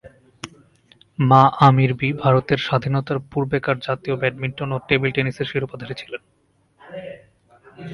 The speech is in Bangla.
মা ‘আমির বি’ ভারতের স্বাধীনতার পূর্বেকার জাতীয় ব্যাডমিন্টন ও টেবিল টেনিসের শিরোপাধারী ছিলেন।